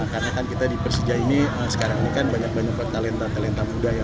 karena kan kita di persija ini sekarang ini kan banyak banyak talenta talenta muda